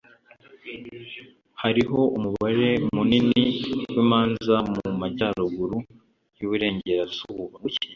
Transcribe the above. hariho umubare munini w'imanza mu majyaruguru y'iburengerazuba